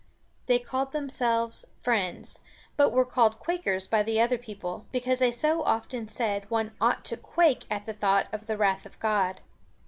They called themselves Friends, but were called Quakers by the other people, because they often said one ought to quake at the thought of the wrath of God.